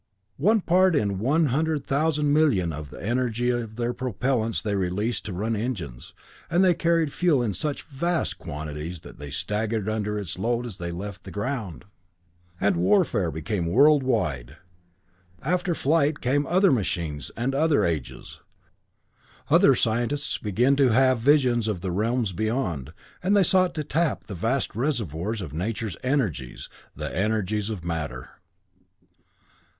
One part in one hundred thousand million of the energy of their propellents they released to run the engines, and they carried fuel in such vast quantities that they staggered under its load as they left the ground! And warfare became world wide. After flight came other machines and other ages. Other scientists began to have visions of the realms beyond, and they sought to tap the vast reservoirs of Nature's energies, the energies of matter.